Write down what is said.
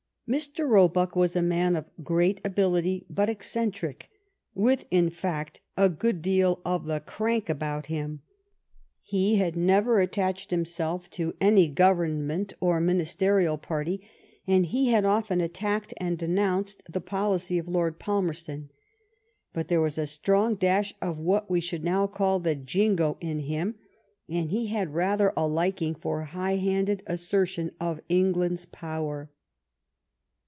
Mr. Roebuck was a man of great ability, but eccentric, with, in fact, a good deal of the " crank " about him. He had never attached himself to any Government or Ministerial party, and he had often attacked and denounced the policy of Lord Palmerston ; but there was a strong dash of what we should now call " the Jingo " in him, and he had rather a liking for a high handed assertion of England's power.